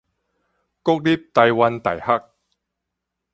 國立臺灣大學